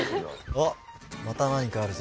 おっまた何かあるぞ。